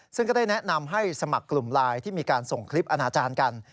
ซึ่งก็ได้แนะนำให้สมัครกลุ่มไลน์ที่มีการส่งคลิปอนาจารย์กัน